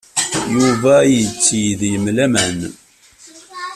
Yuba yetteg deg-m laman.